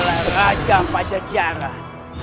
seluruh wilayah pajajaran